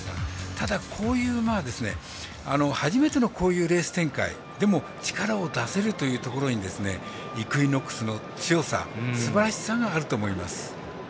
ただ、こういう馬は、初めてのこういうレース展開でも力を出せるというところにイクイノックスの強さすばらしさがあると思います。